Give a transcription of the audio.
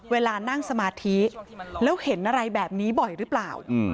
เวลานั่งสมาธิแล้วเห็นอะไรแบบนี้บ่อยหรือเปล่า